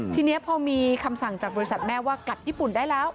ทีนี้พอมีคำสั่งจากบริษัทแม่ว่ากัดญี่ปุ่นได้แล้ว